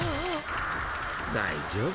［大丈夫？